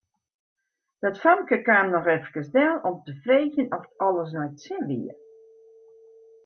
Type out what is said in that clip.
Dat famke kaam noch efkes del om te freegjen oft alles nei't sin wie.